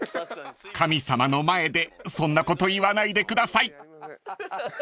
［神様の前でそんなこと言わないでください］